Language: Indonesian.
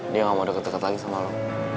dia gak mau deket deket lagi sama lo